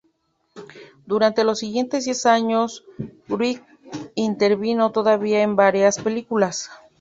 Durante los siguientes diez años Wright intervino todavía en varias películas.